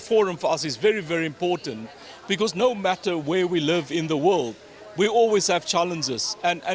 forum u dua puluh urban untuk kita sangat penting karena tidak peduli di mana kita hidup di dunia ini kita selalu mengalami tantangan